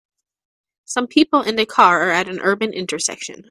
Some people and a car are at an urban intersection.